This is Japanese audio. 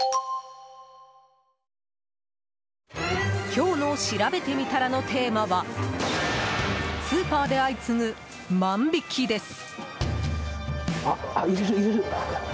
今日のしらべてみたらのテーマはスーパーで相次ぐ万引きです。